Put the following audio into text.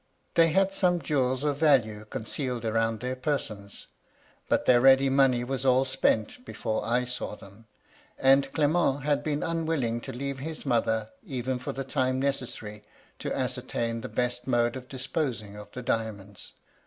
They had some jewels of value concealed round their persons; but their ready money was all spent before I saw them, and Clement had been unwilling to leave his mother, even for the time necessary to ascertain the best mode of disposing of the diamonds.